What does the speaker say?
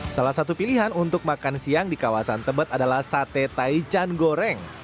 salah satu pilihan untuk makan siang di kawasan tebet adalah sate taichan goreng